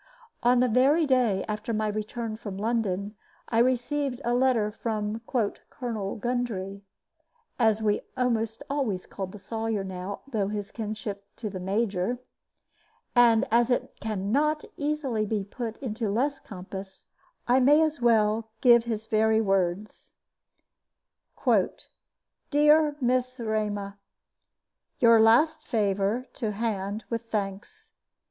On the very day after my return from London I received a letter from "Colonel Gundry" (as we always called the Sawyer now, through his kinship to the Major), and, as it can not easily be put into less compass, I may as well give his very words: "DEAR MISS REMA, Your last favor to hand, with thanks.